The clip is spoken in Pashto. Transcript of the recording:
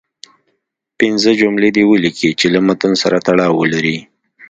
پنځه جملې دې ولیکئ چې له متن سره تړاو ولري.